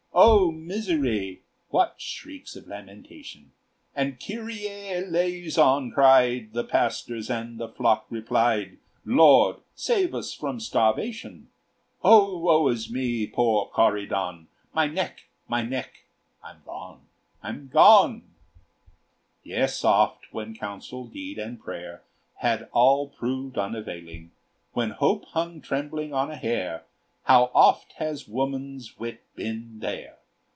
"O misery!" What shrieks of lamentation! And "Kyrie Eleison!" cried The pastors, and the flock replied, "Lord! save us from starvation!" "Oh, woe is me, poor Corydon My neck, my neck! I'm gone, I'm gone!" Yet oft, when counsel, deed, and prayer Had all proved unavailing, When hope hung trembling on a hair, How oft has woman's wit been there!